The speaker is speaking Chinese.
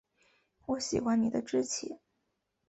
我喜欢你的志气